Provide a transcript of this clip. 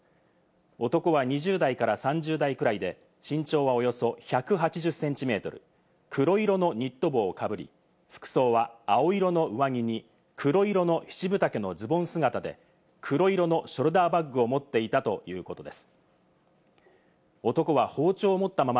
男は２０代から３０代くらいで、身長はおよそ１８０ｃｍ、黒色のニット帽をかぶり、服装は青色の上着に黒色の七分丈のズボン姿で、黒色のショルダーバッグを持っていたということです。